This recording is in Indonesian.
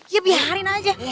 ya biarin aja